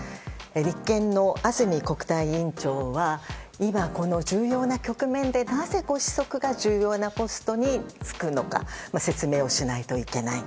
立憲の安住国対委員長は今、この重要な局面でなぜ、ご子息が重要なポストに就くのか説明をしないといけない。